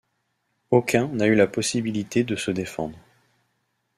Aucun n'a eu la possibilité de se défendre.